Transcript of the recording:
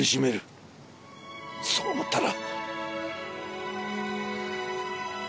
そう思ったら。